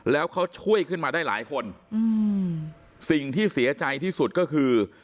แล้วเขาช่วยขึ้นมาได้หลายคนอืมสิ่งที่เสียใจที่สุดก็คือ